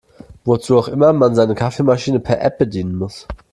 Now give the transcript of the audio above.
Wozu auch immer man seine Kaffeemaschine per App bedienen muss.